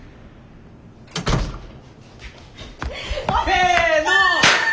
せの！